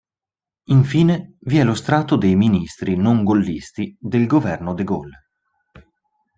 Infine, vi è lo strato dei Ministri non gollisti del Governo de Gaulle.